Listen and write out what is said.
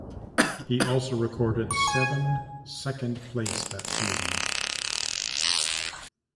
He also recorded seven second place that season.